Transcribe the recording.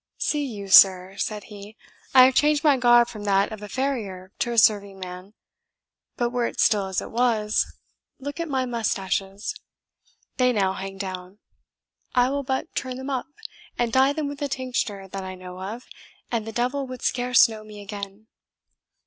"See you, sir!" said he, "I have changed my garb from that of a farrier to a serving man; but were it still as it was, look at my moustaches. They now hang down; I will but turn them up, and dye them with a tincture that I know of, and the devil would scarce know me again."